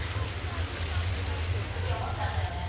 その時思ったんだよね。